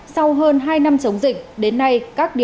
sau hơn hai năm chống dịch